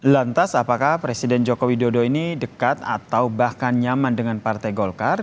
lantas apakah presiden joko widodo ini dekat atau bahkan nyaman dengan partai golkar